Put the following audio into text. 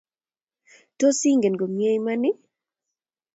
Tos ingen komye iman ii?